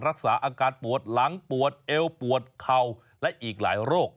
รักษาอาการปวดหลังปวดเอวปวดเข่าและอีกหลายโรค